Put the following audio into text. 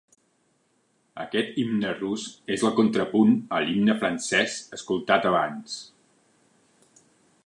Aquest himne rus és el contrapunt a l'himne francès escoltat abans.